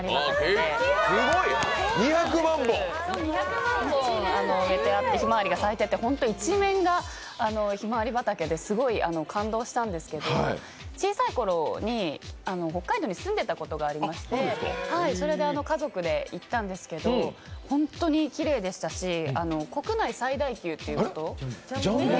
２００万本植えてあって、ひまわりが咲いてて本当に、一面がひまわり畑ですごい感動したんですけど小さいころに北海道に住んでたことがありまして、それで家族で行ったんですけど、ホントにきれいでしたし国内最大級ということ。